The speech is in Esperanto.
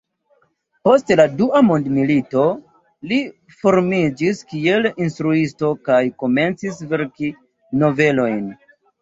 Post la dua mondmilito, li formiĝis kiel instruisto kaj komencis verki novelojn.